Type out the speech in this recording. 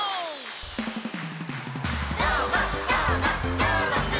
「どーもどーもどーもくん！」